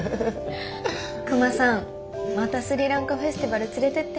クマさんまたスリランカフェスティバル連れてって。